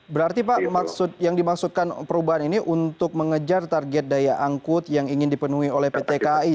berarti pak maksud yang dimaksudkan perubahan ini untuk mengejar target daya angkut yang ingin dipenuhi oleh pt kai